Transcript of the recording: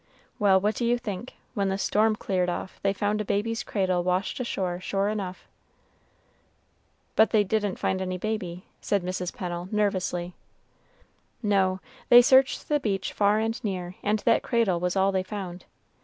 Well, what do you think, when the storm cleared off, they found a baby's cradle washed ashore sure enough!" "But they didn't find any baby," said Mrs. Pennel, nervously. "No; they searched the beach far and near, and that cradle was all they found.